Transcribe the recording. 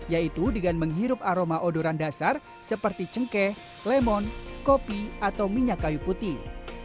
yaitu dengan menghirup aroma odoran dasar seperti cengkeh lemon kopi atau minyak kayu putih